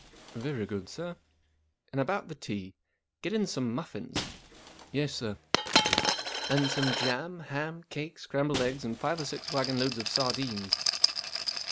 " Very good, sir." " And about the tea. Get in some muffins." " Yes, sir." " And some jam, ham, cake, scrambled eggs, and five or six wagonloads of sar¬ dines."